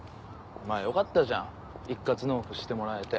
まぁよかったじゃん一括納付してもらえて。